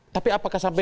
tapi apakah sampai